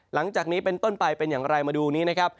หลังจากนี้เป็นต้นไปเป็นอย่างไรมาดูนี้นะครับ